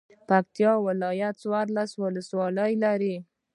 پکتيا ولايت څوارلس ولسوالۍ لري